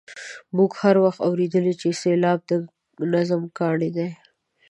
موږ هر وخت اورېدلي چې سېلاب د نظم کاڼی دی.